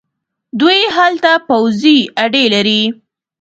دوی هلته پوځي اډې لري.